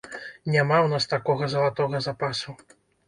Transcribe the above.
Няма ў нас такога залатога запасу.